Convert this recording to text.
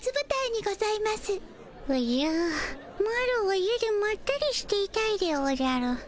おじゃマロは家でまったりしていたいでおじゃる。